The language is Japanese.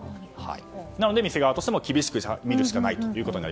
なので店側としても厳しく見るしかないと。